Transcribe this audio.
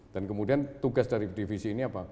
dan kemudian tugas dari divisi ini apa